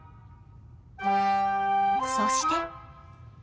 そして。